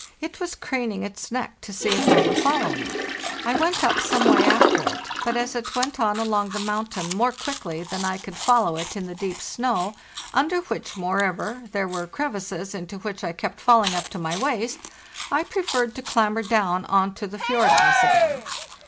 It was craning its neck to see if I were following. 1 went up some way after it, but as it went on along the mountain more quickly than I could follow it in the deep snow, under which, moreover, there were crevices into which I kept falling up to my waist, I preferred to clamber down on to the fjord ice again.